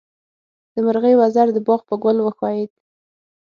د مرغۍ وزر د باغ په ګل وښویېد.